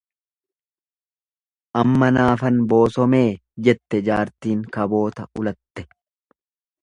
Ammanaafan boosomee jette jaartiin kaboota ulatte.